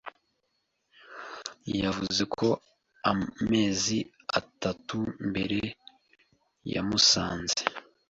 Yavuze ko amezi atatu mbere yamusanze.